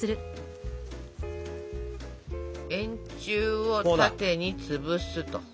円柱を縦に潰すと。